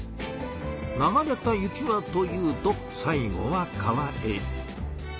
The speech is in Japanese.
流れた雪はというと最後は川へ。